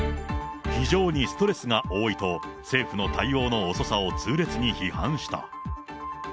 非常にストレスが多いと、政府の対応の遅さを痛烈に批判した。